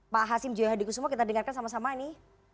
pak hasim joyo hadi kusumo kita dengarkan sama sama ini